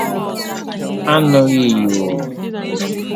a nụghị 'yoo